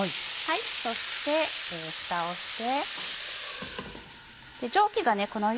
そしてふたをして。